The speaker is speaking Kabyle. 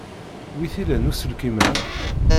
Wi t-ilan uselkim-a?